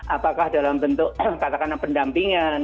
apakah dalam bentuk katakanlah pendampingan